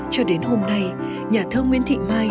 cho đến hôm nay nhà thơ nguyễn thị mai